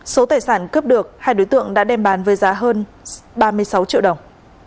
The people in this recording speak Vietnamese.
số tài sản cướp được hai đối tượng đã đem bán với giá hơn ba mươi sáu triệu đồng